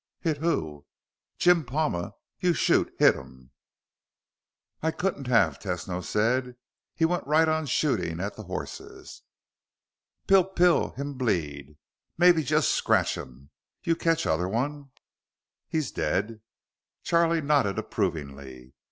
"Hit who?" "Jim Palma. You shoot. Hittum." "I couldn't have," Tesno said. "He went right on shooting at the horses." "Pil pil. Him bleed. Maybe just scratchum. You catch other one?" "He's dead." Charlie nodded approvingly.